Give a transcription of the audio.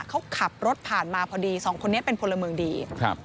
เขาขับรถผ่านมาพอดีสองคนนี้เป็นพลเมืองดีครับ